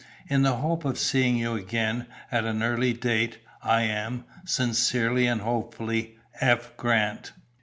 In the hope of seeing you again, at an early date, I am, "Sincerely and hopefully, "F. Grant."